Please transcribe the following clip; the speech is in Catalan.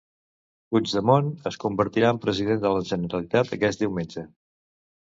Puigdemont es convertirà en president de la Generalitat aquest diumenge.